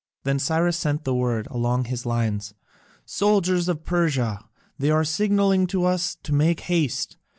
Then Cyrus sent word along his lines, "Soldiers of Persia, they are signalling to us to make haste.